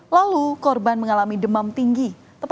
lalu korban mengalami demam tinggi